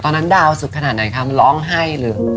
ตอนนั้นดาวริเซียจะร้องให้